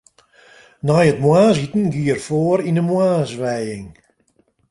Nei it moarnsiten gie er foar yn in moarnswijing.